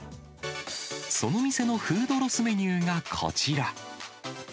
その店のフードロスメニューがこちら。